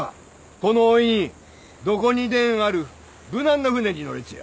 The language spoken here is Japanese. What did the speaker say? このおいにどこにでんある無難な船に乗れちゃ？